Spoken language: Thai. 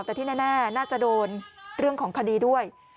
แต่ที่แน่น่าจะโดนเรื่องของคดีด้วย